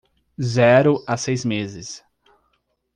Zero a seis meses